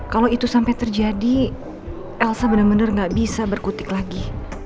kalau itu sampai terjadi elsa bener bener gak bisa berkutik lagi